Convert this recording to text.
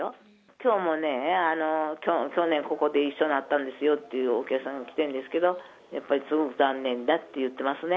きょうもね、去年ここで一緒になったんですよってお客さんが来てんですけど、やっぱりすごく残念だって言ってますね。